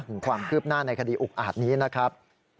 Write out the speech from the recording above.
ถึงความคืบหน้าในคดีอุกอาจนี้นะครับ